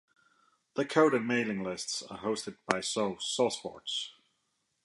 The code and mailing lists are hosted by SourceForge.